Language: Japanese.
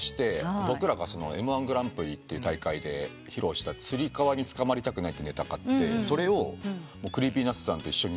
僕らがＭ−１グランプリって大会で披露したつり革につかまりたくないってネタがあってそれをＣｒｅｅｐｙＮｕｔｓさんと一緒にやるってネタで。